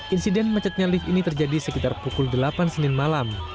insiden macetnya lift ini terjadi sekitar pukul delapan senin malam